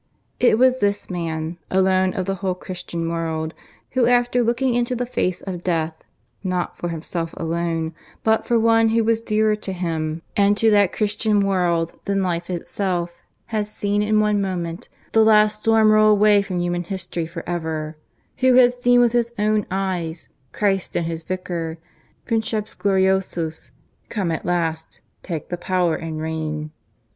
It was this man, alone of the whole Christian world, who after looking into the face of death, not for himself only, but for one who was dearer to him and to that Christian world than life itself, had seen in one moment the last storm roll away from human history for ever; who had seen with his own eyes, Christ in His Vicar Princeps gloriosus come at last take the power and reign.